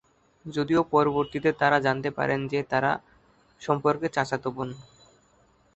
যদিও পরবর্তীতে তারা জানতে পারেন যে তারা সম্পর্কে চাচাতো বোন।